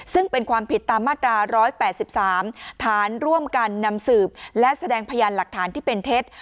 ซึ่งเป็นความผิดตามมาตรา๑๘๓ฐานร่วมกันนำสืบและแสดงพยานหลักฐานที่เป็นเท็จ